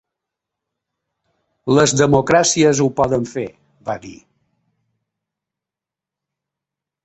Les democràcies ho poden fer, va dir.